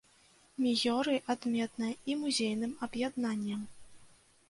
Міёры адметная і музейным аб'яднаннем.